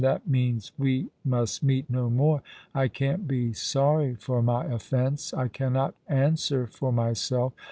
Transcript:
That means we must meet no more. I can't be sorry for my offence. I cannot answer for myself.